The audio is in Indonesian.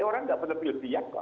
orang tidak pernah lebih biak